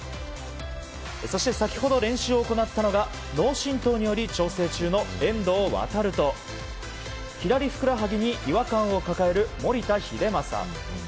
そして先ほど練習を行ったのが脳しんとうにより調整中の遠藤航と左ふくらはぎに違和感を抱える守田英正。